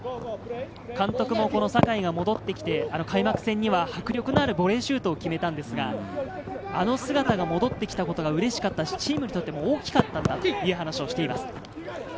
監督も坂井が戻ってきて開幕戦には迫力のあるボレーシュートを決めたんですが、あの姿が戻ってきたことがうれしかったし、チームにとっても大きかったんだという話をしています。